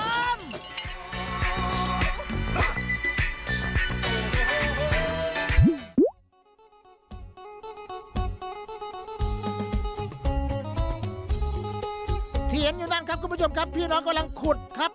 ที่เห็นอยู่นั่นครับคุณผู้ชมครับพี่น้องกำลังขุดครับ